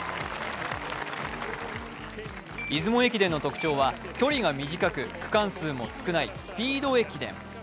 出雲駅伝の特徴は距離が短く区間数も少ないスピード駅伝。